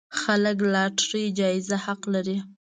خلک لاټرۍ جايزه حق لري.